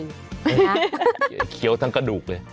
เดี๋ยวเคี้ยวทั้งกระดูกเลย